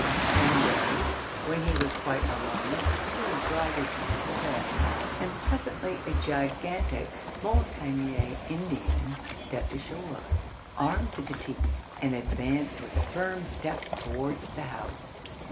One day, when he was quite alone, a canoe glided into the bay, and presently a gigantic Montagnais Indian stepped ashore, armed to the teeth, and advanced with a firm step towards the house.